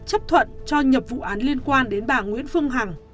chấp thuận cho nhập vụ án liên quan đến bà nguyễn phương hằng